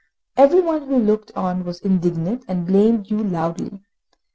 Every one who looked on was indignant, and blamed you loudly.